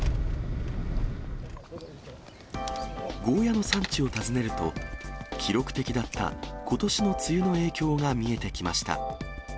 ゴーヤの産地を訪ねると、記録的だったことしの梅雨の影響が見えてきました。